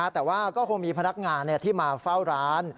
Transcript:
แต่ว่าก็คงมีพนักงานที่มาเฝ้าร้าน